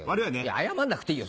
謝んなくていいよ